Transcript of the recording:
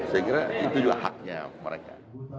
saya kira itu juga haknya mereka